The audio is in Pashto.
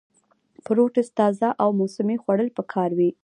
فروټس تازه او موسمي خوړل پکار وي -